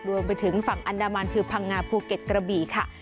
รวมไปถึงฝั่งอันดามันคือพังงาภูเก็ตกระบี่ค่ะ